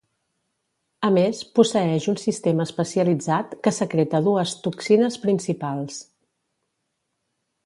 A més, posseeix un sistema especialitzat que secreta dues toxines principals: